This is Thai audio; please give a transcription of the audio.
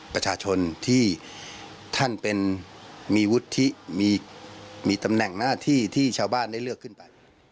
ประชาชนที่ท่านเป็นมีวุฒิมีตำแหน่งหน้าที่ที่ชาวบ้านได้เลือกขึ้นไป